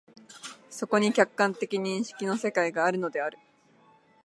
そこに客観的認識の世界があるのである。